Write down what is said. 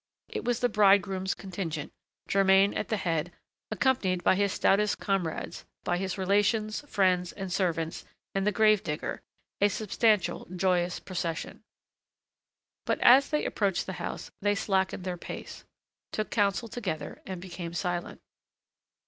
It was the bridegroom's contingent, Germain at the head, accompanied by his stoutest comrades, by his relations, friends, and servants and the grave digger, a substantial, joyous procession. But, as they approached the house, they slackened their pace, took counsel together, and became silent.